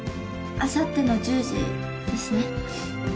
あさっての１０時ですね？